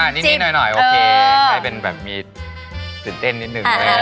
นิดหน่อยโอเคให้มีแบบสินเต้นนิดนึงเลย